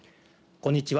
こんにちは。